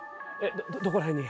どどこら辺に？